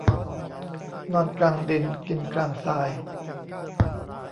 นอนกลางดินกินกลางทราย